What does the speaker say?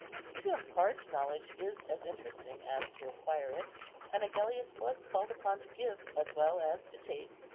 To impart knowledge is as interesting as to acquire it; and Agellius was called upon to give as well as to take.